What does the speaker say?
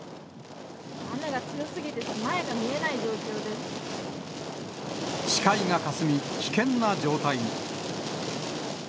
雨が強すぎて前が見えない状視界がかすみ、危険な状態に。